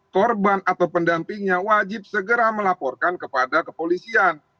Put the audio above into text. korban atau pendampingnya wajib segera melaporkan kepada kepolisian